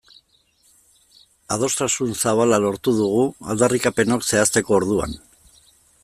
Adostasun zabala lortu dugu aldarrikapenok zehazteko orduan.